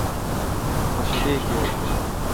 خوشلی کیر